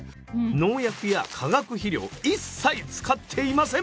農薬や化学肥料一切使っていません！